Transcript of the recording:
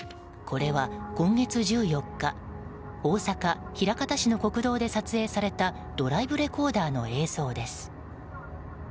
これは今月１４日大阪・枚方市の国道で撮影されたドライブレコーダーの映像です。